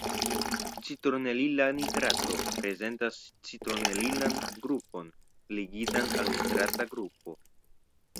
Citronelila nitrato prezentas citronelilan grupon ligitan al nitrata grupo.